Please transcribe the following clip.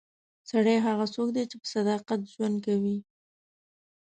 سړی هغه څوک دی چې په صداقت ژوند کوي.